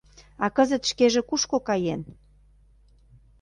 А кызыт шкеже кушко каен?